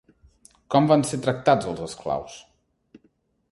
Com van ser tractats els esclaus?